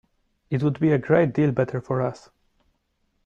It would be a great deal better for us.